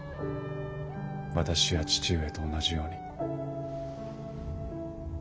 私や父上と同じように。